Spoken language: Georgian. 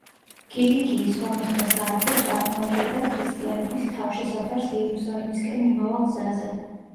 კილიკიის სომეხთა სამეფო წარმოადგენდა ქრისტიანების თავშესაფარს იერუსალიმისკენ მიმავალ გზაზე.